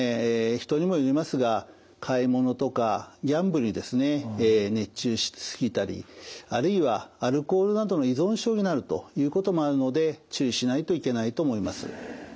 人にもよりますが買い物とかギャンブルに熱中し過ぎたりあるいはアルコールなどの依存症になるということもあるので注意しないといけないと思います。